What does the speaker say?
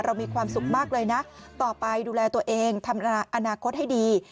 มีความสุขมากเลยนะต่อไปดูแลตัวเองทำอนาคตให้ดี